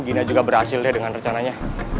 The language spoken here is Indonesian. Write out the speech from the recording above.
gina juga berhasil ya dengan rencananya